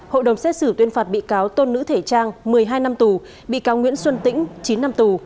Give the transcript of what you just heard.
hội đồng xét xử tuyên phạt bị cáo tôn nữ thể trang một mươi hai năm tù bị cáo nguyễn xuân tĩnh chín năm tù